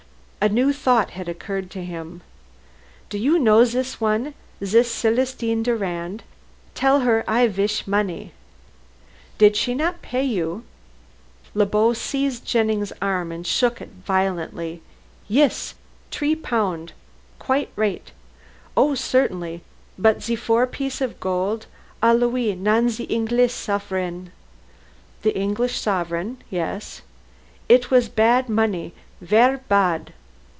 A new thought had occurred to him. "Do you know zis one zis Celestine Durand? Tell her I vish money " "Did she not pay you?" Le Beau seized Jennings' arm and shook it violently. "Yis. Tree pound; quite raight; oh, certainly. But ze four piece of gold, a louis non ze Englees sufferin " "The English sovereign. Yes." "It was bad money ver bad."